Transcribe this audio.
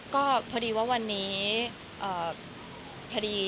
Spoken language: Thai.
ก็พอดีว่าวันนี้